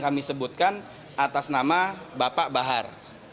kami sebutkan atas nama bapak bahar